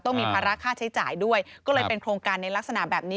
มีภาระค่าใช้จ่ายด้วยก็เลยเป็นโครงการในลักษณะแบบนี้